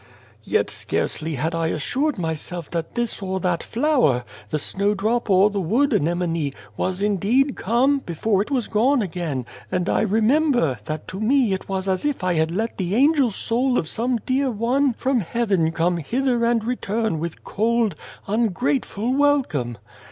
" Yet scarcely had I assured myself that this or that flower the snowdrop or the wood 279 A World anemone was indeed come, before it was gone again, and I remember, that to me it was as if I had let the angel soul of some dear one from heaven come hither and return with cold, ungrateful welcome.